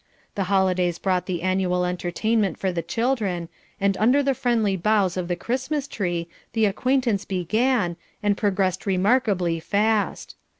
The holidays brought the annual entertainment for the children, and under the friendly boughs of the Christmas tree the acquaintance began, and progressed remarkably fast.